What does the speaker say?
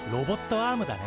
アームだね。